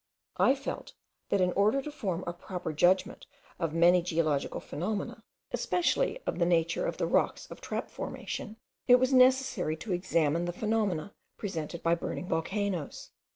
I felt, that in order to form a proper judgment of many geological phenomena, especially of the nature of the rocks of trap formation, it was necessary to examine the phenomena presented by burning volcanoes.